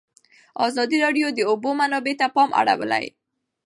ازادي راډیو د د اوبو منابع ته پام اړولی.